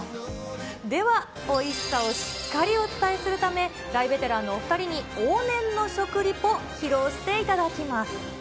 では、おいしさをしっかりお伝えするため、大ベテランのお２人に往年の食リポ披露していただきます。